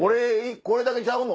「これだけちゃうの？」